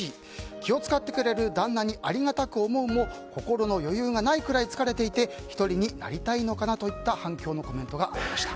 気を使ってくれる旦那にありがたく思うも心の余裕がないくらい疲れていて１人になりたいのかなという反響のコメントがありました。